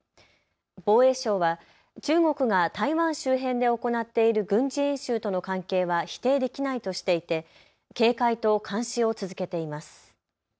防衛省は中国が台湾周辺で行っている軍事演習との関係は否定できないとしていて警戒と監視を続けています。